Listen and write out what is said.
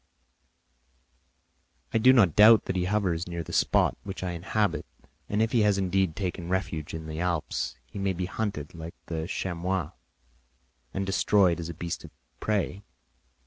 "I do not doubt that he hovers near the spot which I inhabit, and if he has indeed taken refuge in the Alps, he may be hunted like the chamois and destroyed as a beast of prey.